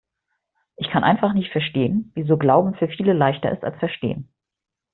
Ich kann einfach nicht verstehen, wieso Glauben für viele leichter ist als Verstehen.